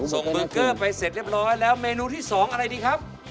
ส่งเบอร์เกอร์ไปเสร็จเรียบร้อยแล้วเมนูที่๒อะไรดีครับ